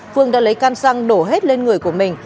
phương đã lấy can xăng đổ hết lên người của mình